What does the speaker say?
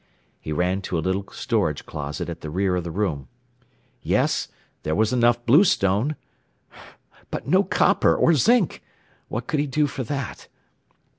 He ran to a little storage closet at the rear of the room. Yes; there was enough bluestone! But no copper, or zinc! What could he do for that?